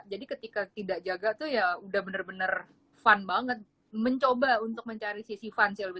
jadi ketika tidak jaga itu ya sudah benar benar fun banget mencoba untuk mencari sisi fun